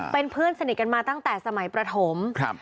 เป็นเพื่อนสนิทกันมาตั้งแต่สมัยประถมครับ